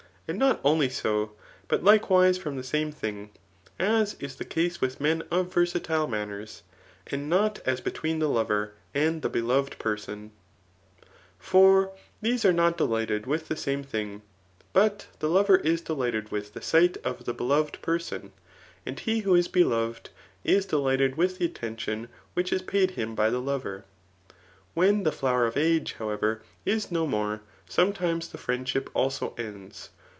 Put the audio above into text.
And not only so, but likewise from the same thing, as is the case with men of versatile manners, and not as between the lover and die Digitized by Google SM THE NICOMACHEAN VOOK Vm, bdoved parson* For these are not d^ghted with dw same things, but the lover is d^ghted with [the sight <E^ die beloved person, and he who is beloved is deliglite4 with the attention which is paid him by the lover, Whei( the flower of age, however, is np more, som^mes th€ friendship also ends.